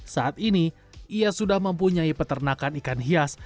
saat ini ia sudah mempunyai peternakan ikan hias